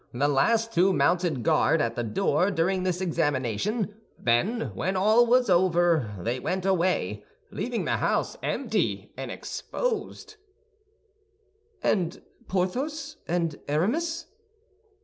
The last two mounted guard at the door during this examination; then, when all was over, they went away, leaving the house empty and exposed." "And Porthos and Aramis?"